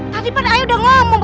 tapi pada ayah udah ngomong